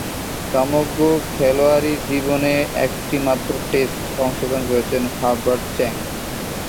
সমগ্র খেলোয়াড়ী জীবনে একটিমাত্র টেস্টে অংশগ্রহণ করেছেন হার্বার্ট চ্যাং।